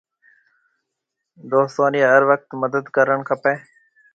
دوستون رِي هر وقت مدد ڪرڻ کپيَ۔